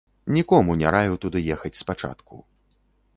Нікому не раю туды ехаць спачатку.